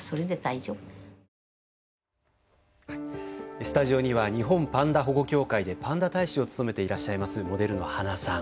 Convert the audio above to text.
スタジオには日本パンダ保護協会でパンダ大使を務めていらっしゃいますモデルのはなさん。